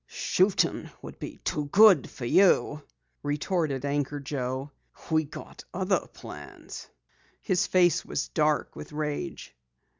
"Shootin' would be too good for you," retorted Anchor Joe. "We got other plans." His face was dark with rage.